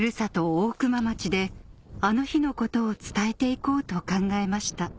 大熊町であの日のことを伝えていこうと考えました